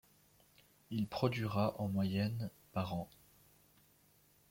Il produira en moyenne par an.